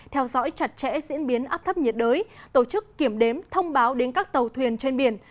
theo dõi chặt chẽ diễn biến áp thấp nhiệt đới tổ chức kiểm đếm thông báo đến các tàu thuyền trên biển